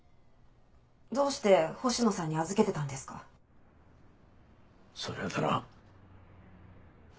「どうして星野さんに預けてたんですか？」それはだな。